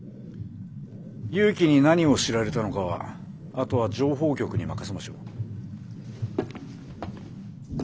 祐樹に何を知られたのかはあとは情報局に任せましょう。